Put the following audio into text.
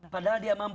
padahal dia mampu